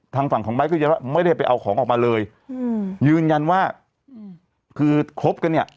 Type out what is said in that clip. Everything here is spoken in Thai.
ทางฝั่งของไม้ก็ยังว่าไม่ได้ไปเอาของออกมาเลยอืมยืนยันว่าคือครบกันเนี่ย